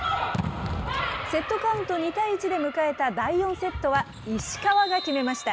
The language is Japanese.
セットカウント２対１で迎えた第４セットは、石川が決めました。